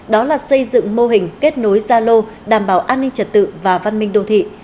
đó là xây dựng mô hình kết nối gia lô đảm bảo an ninh trật tự và văn minh đô thị